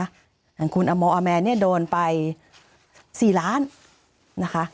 อย่างคุณอโมอาแมนเนี่ยโดนไป๔ล้านนะคะ